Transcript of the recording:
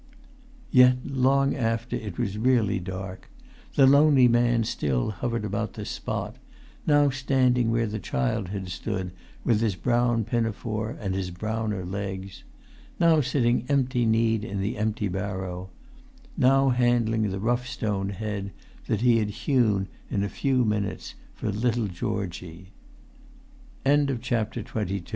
Yet, long after it was really dark, the lonely man still hovered about the spot, now standing where the child had stood with his brown pinafore and his browner legs; now sitting empty kneed in the empty barrow; now handling the rough stone head that he had hewn in a few minutes for little G